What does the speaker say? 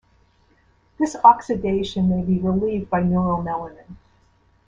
This oxidation may be relieved by neuromelanin.